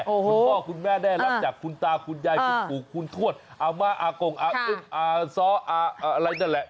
คุณพ่อคุณแม่ได้รับจากคุณตาคุณยายคุณปู่คุณทวดอาม่าอากงอาอุ้มอาซ้ออาอะไรนั่นแหละ